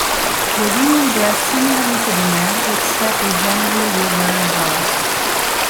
The women dress similarly to the men, except they generally will wear a blouse.